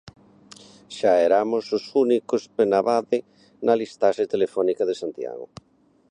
Xa eramos os únicos Penabade na listaxe telefónica de Santiago.